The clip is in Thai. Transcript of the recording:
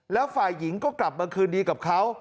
แล้วฝ่ายหญิงก็กลับมาคืนดีกับเขา